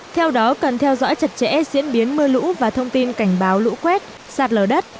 theo đó cần theo dõi chặt chẽ diễn biến mưa lũ và thông tin cảnh báo lũ quét sạt lở đất